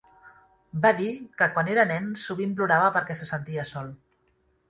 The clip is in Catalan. Va dir que quan era nen sovint plorava perquè se sentia sol.